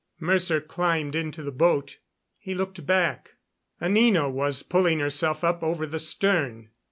Mercer climbed into the boat. He looked back. Anina was pulling herself up over the stern.